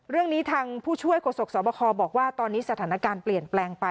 เรื่องนี้ทางผู้ช่วยโฆษกสวบคบอกว่าตอนนี้สถานการณ์เปลี่ยนแปลงไป